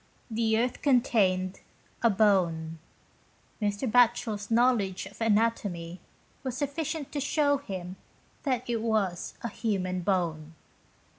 The earth contained a bone. Mr. Batchel's know ledge of anatomy was sufficient to show him that it was a human bone.